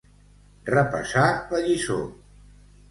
Repassar la lliçó.